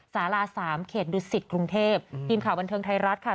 สาราสามเขตดุสิตกรุงเทพทีมข่าวบันเทิงไทยรัฐค่ะ